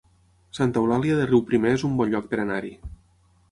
Santa Eulàlia de Riuprimer es un bon lloc per anar-hi